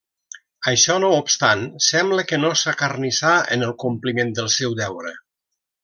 Això no obstant, sembla que no s'acarnissà en el compliment del seu deure.